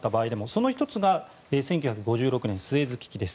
その１つが、１９５６年スエズ危機です。